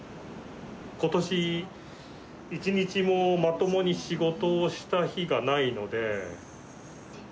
ことし、１日もまともに仕事をした日がないので。